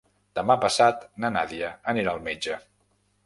Demà passat na Nàdia anirà al metge.